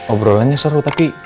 obrolannya seru tapi